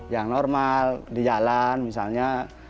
yang normal di jalan misalnya